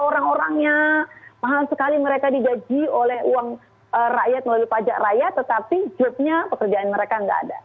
orang orangnya mahal sekali mereka digaji oleh uang rakyat melalui pajak rakyat tetapi jobnya pekerjaan mereka nggak ada